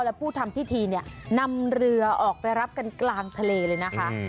และผู้ทำพิธีเนี่ยนำเรือออกไปรับกันกลางทะเลเลยนะคะ